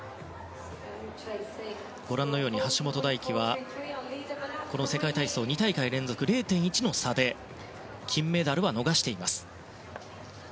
橋本大輝は、この世界体操２大会連続で０．１の差で金メダルは逃しています。